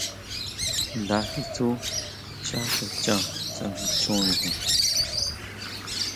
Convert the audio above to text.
Nda kitsú nchá kaxhan tsánguichonejin.